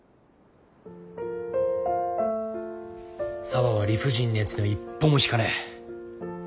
沙和は理不尽なやつには一歩も引かねえ。